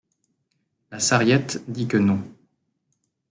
La Sarriette dit que non.